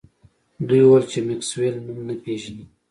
دوی وویل چې میکسویل نوم نه پیژني